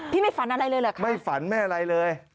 ไม่ฝันอะไรเลยเหรอคะไม่ฝันไม่อะไรเลย